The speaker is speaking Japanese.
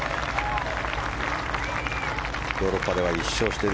ヨーロッパでは１勝している。